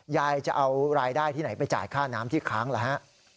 ยายจะเอารายได้ที่ไหนไปจ่ายค่าน้ำที่ค้างล่ะฮะ